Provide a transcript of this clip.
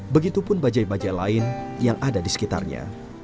begitupun bajai baja lain yang ada di sekitarnya